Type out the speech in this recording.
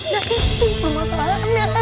nanti tuh masalahnya